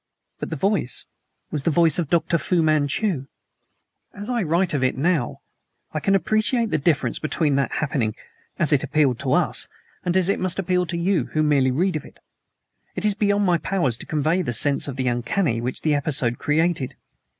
But the voice was the voice of DOCTOR FU MANCHU. As I write of it, now, I can appreciate the difference between that happening, as it appealed to us, and as it must appeal to you who merely read of it. It is beyond my powers to convey the sense of the uncanny which the episode created.